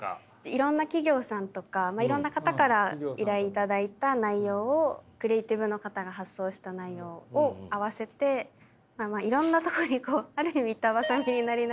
いろんな企業さんとかいろんな方から依頼いただいた内容をクリエーティブの方が発想した内容を合わせていろんなとこにある意味板挟みになりながら。